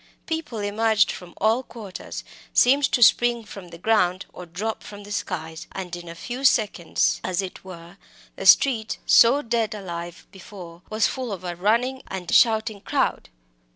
People emerged from all quarters, seemed to spring from the ground or drop from the skies, and in a few seconds, as it were, the street, so dead alive before, was full of a running and shouting crowd.